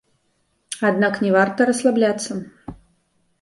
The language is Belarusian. Аднак не варта расслабляцца.